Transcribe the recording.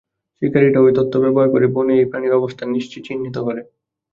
শিকারিরা ওই তথ্য ব্যবহার করে বনে ওই প্রাণীর অবস্থান চিহ্নিত করে।